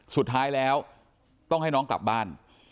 สุดท้ายแล้วต้องให้น้องกลับบ้าน